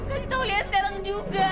kasih tahu liliah sekarang juga